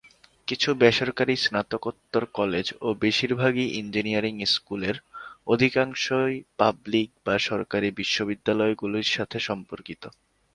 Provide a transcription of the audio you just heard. কিছু বেসরকারী স্নাতকোত্তর কলেজ ও বেশিরভাগই ইঞ্জিনিয়ারিং স্কুলের, অধিকাংশই পাবলিক বা সরকারি বিশ্ববিদ্যালয়গুলির সাথে সম্পর্কিত।